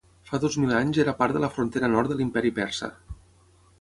Fa dos mil anys era part de la frontera nord de l'Imperi persa.